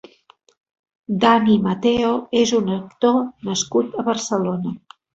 Dani Mateo és un actor nascut a Barcelona.